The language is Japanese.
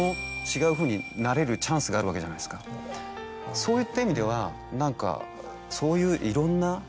そういった意味では何かそういう。